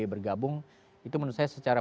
bergabung itu menurut saya secara